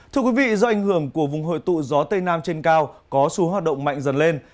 thưa quý vị do ảnh hưởng của vùng hội tụ gió tây nam trên cao có xu hoạt động mạnh dần lên